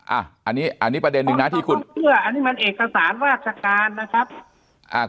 อันนี้ประเด็นหนึ่งนะอันนี้มันเอกสารวาสการนะครับ